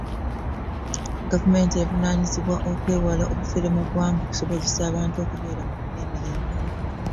gavumenti evunanyizibwa okwewala obufeere mu gwanga okusobozesa abant okubeera n'emirembe